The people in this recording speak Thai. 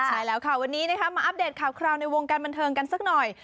ใช่แล้วค่ะวันนี้มาอัปเดตข่าวคราวในวงการบันเทิงกันสักหน่อย